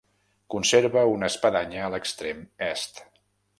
Conserva una espadanya a l'extrem est.